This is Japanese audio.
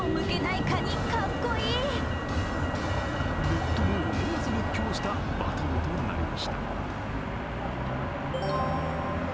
ネットも思わず熱狂したバトルとなりました。